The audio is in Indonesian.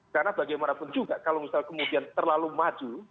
karena bagaimanapun juga kalau misalnya kemudian terlalu maju